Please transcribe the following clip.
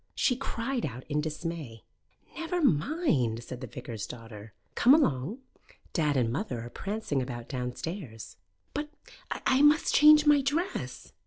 She cried out in dismay. "Never mind," said the vicar's daughter. "Come along. Dad and mother are prancing about downstairs." "But I must change my dress!"